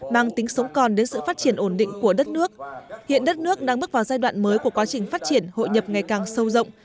mang tính sống còn đến sự phát triển ổn định của đất nước hiện đất nước đang bước vào giai đoạn mới của quá trình phát triển hội nhập ngày càng sâu rộng